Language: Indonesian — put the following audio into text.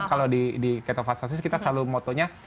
kalau di ketofassasis kita selalu motonya